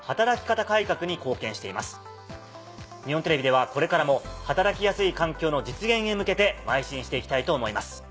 日本テレビではこれからも働きやすい環境の実現へ向けてまい進していきたいと思います。